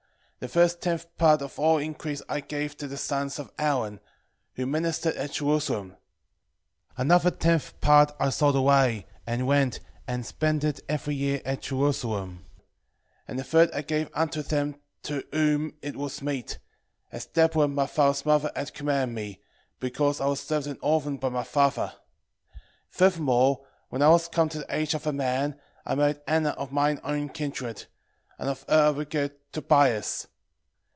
1:7 The first tenth part of all increase I gave to the sons of Aaron, who ministered at Jerusalem: another tenth part I sold away, and went, and spent it every year at Jerusalem: 1:8 And the third I gave unto them to whom it was meet, as Debora my father's mother had commanded me, because I was left an orphan by my father. 1:9 Furthermore, when I was come to the age of a man, I married Anna of mine own kindred, and of her I begat Tobias.